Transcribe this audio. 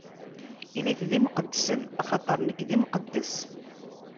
Ilit d imqeddsen, axaṭer nekk d Imqeddes.